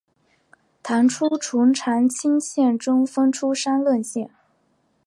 唐初从长清县中分出山荏县。